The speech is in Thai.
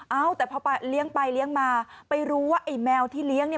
เอ้าแต่พอเลี้ยงไปเลี้ยงมาไปรู้ว่าไอ้แมวที่เลี้ยงเนี่ย